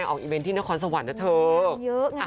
ออกอีเวนต์ที่นครสวรรค์นะเถอะ